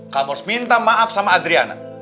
kamu harus minta maaf sama adriana